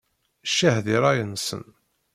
Ccah di ṛṛay-nsen!